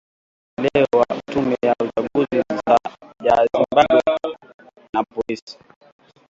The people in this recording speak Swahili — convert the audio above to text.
Alisema chama chake hakijafurahishwa na upendeleo wa tume ya uchaguzi ya Zimbabwe, na polisi.